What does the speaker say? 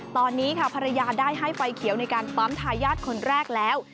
ตอนนี้ค่ะภรรยาได้ให้ไฟเขียวในการปั๊มทายาทคนแรกแล้ว